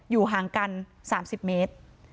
อยู่ห่างกัน๓๐เมตร